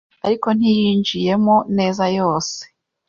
ariko ntiyinjiyemo neza yose